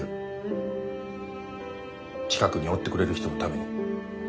近くにおってくれる人のために。